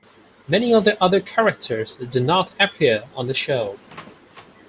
Many of the other characters do not appear on the show.